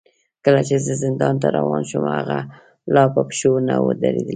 کله چې زه زندان ته روان شوم، هغه لا په پښو نه و درېدلی.